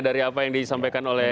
dari apa yang disampaikan oleh